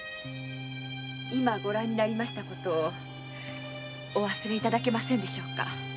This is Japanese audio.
今ご覧になりました事をお忘れ頂けませんでしょうか？